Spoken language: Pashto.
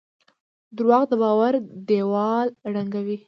دروغ د باور دیوال ړنګوي.